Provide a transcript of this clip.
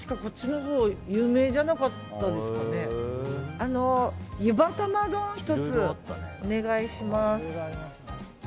あの、ゆば玉丼を１つお願いします。